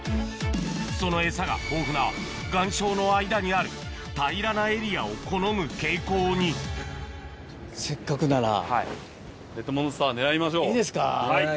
そのエサが豊富な岩礁の間にある平らなエリアを好む傾向にいいですか。